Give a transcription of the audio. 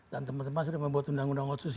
dan teman teman sudah membuat undang undang otsusi